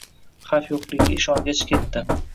Xavf yo‘qligiga ishongach ketdi